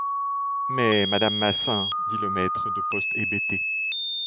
Mais, madame Massin... dit le maître de poste hébété.